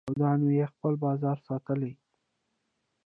له یهودیانو نه یې خپل بازار ساتلی.